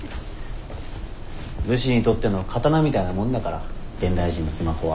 武士にとっての刀みたいなもんだから現代人のスマホは。